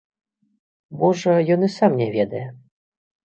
Можа, ён і сам не ведае.